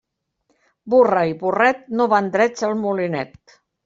Burra i burret no van drets al molinet.